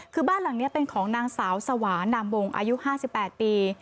คือบ้านหลังนี้เป็นของนางสาวสวานามวงอายุ๕๘ปี